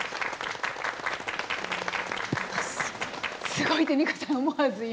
「すごい」ってミカさん思わず今。